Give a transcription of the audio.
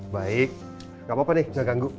baik gak apa apa nih bisa ganggu